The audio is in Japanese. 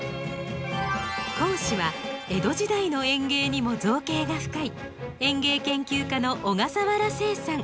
講師は江戸時代の園芸にも造詣が深い園芸研究家の小笠原誓さん。